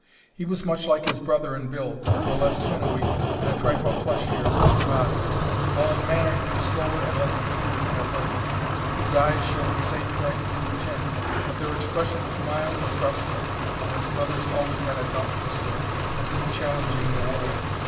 He was much like his brother in build, though less sinewy and a trifle fleshier in body; while in manner he was slower and less eager and alert. His eyes showed the same bright blue tint, but their expression was mild and trustful, while his brother's had always a dauntless look, as if challenging the world.